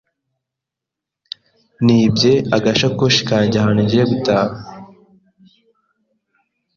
Nibye agasakoshi kanjye ahantu ngiye gutaha.